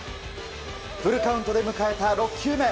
フルカウントで迎えた６球目。